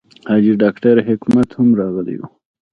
حاجي ډاکټر حکمت هم راغلی و.